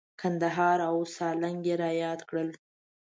کندهار او سالنګ یې را یاد کړل.